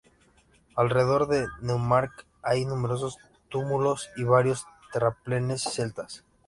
Alrededor de Neumarkt hay numerosos túmulos y varios terraplenes celtas.